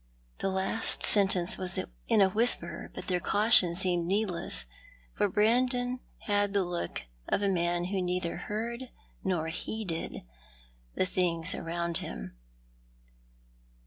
The last sentence was in a whisper, but their caution seemed needless, for Brandon had the look of a man who neither heard nor heeded the things around him.